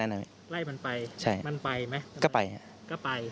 ตัวเดียวที่มันกิน